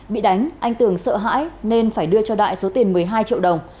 bị đánh anh tường sợ hãi nên phải đưa cho đại số tiền một mươi hai triệu đồng